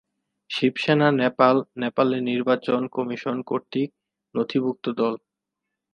শিবসেনা নেপাল নেপালের নির্বাচন কমিশন কর্তৃক নথিভুক্ত দল।